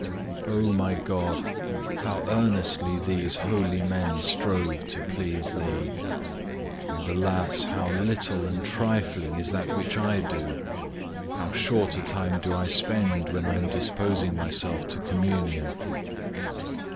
5. O my God, how earnestly these holy men strove to please Thee! And alas! how little and trifling is that which I do! how short a time do I spend, when I am disposing myself to Communion.